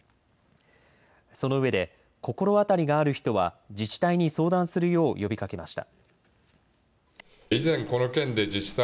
そのうえで心当たりがある人は自治体に相談するよう呼びかけました。